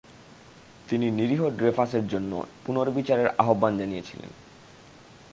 তিনি নিরীহ ড্রেফাসের জন্য পুনর্বিচারের আহ্বান জানিয়েছিলেন।